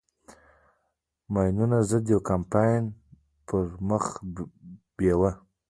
د ماينونو ضد يو کمپاين پر مخ بېوه.